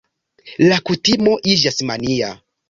La kutimo iĝas mania.